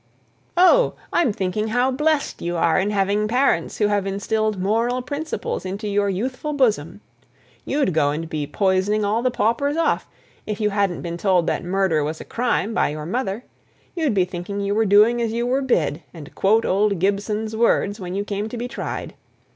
"Oh! I'm thinking how blest you are in having parents who have instilled moral principles into your youthful bosom. You'd go and be poisoning all the paupers off, if you hadn't been told that murder was a crime by your mother; you'd be thinking you were doing as you were bid, and quote old Gibson's words when you came to be tried.